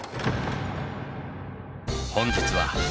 本日は。